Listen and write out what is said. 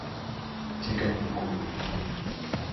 隻腳好攰